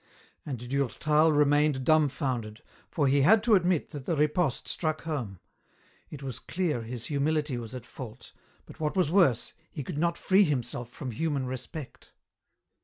And Durtal remained dumfounded, for he had to admit that the riposte struck home. It was clear his humility was at fault, but what was worse, he could not free him self from human respect.